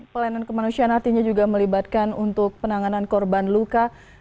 pelayanan kemanusiaan artinya juga melibatkan untuk penanganan korban luka